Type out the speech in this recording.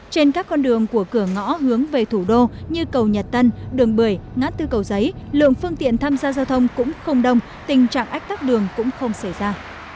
trên các con đường của cửa ngõ hướng về thủ đô như cầu nhật tân đường bưởi ngã tư cầu giấy lượng phương tiện tham gia giao thông cũng không đông tình trạng ách tắc đường cũng không xảy ra